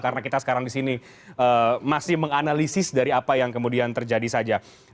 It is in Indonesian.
karena kita sekarang di sini masih menganalisis dari apa yang kemudian terjadi saja